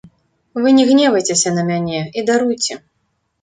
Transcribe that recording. Вы не гневайцеся на мяне і даруйце.